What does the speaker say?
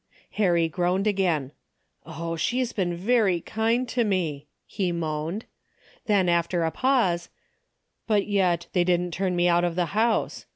Harry groaned again. " Oh, she's been very kind to me," he moaned. Then after a pause. " But yet they didn't turn me out of the house.